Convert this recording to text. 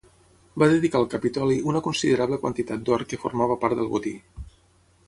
Va dedicar al Capitoli una considerable quantitat d'or que formava part del botí.